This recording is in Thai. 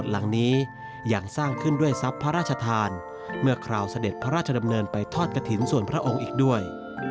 หลังนี้ยังสร้างขึ้นด้วยทรัพย์พระราชทานเมื่อคราวเสด็จพระราชดำเนินไปทอดกระถิ่นส่วนพระองค์อีกด้วย